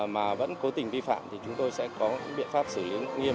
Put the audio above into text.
mà vẫn cố tình vi phạm thì chúng tôi sẽ có biện pháp xử lý